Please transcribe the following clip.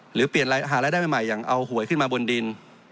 หรือเปลี่ยนหารายได้ใหม่อย่างเอาหวยขึ้นมาบนดิน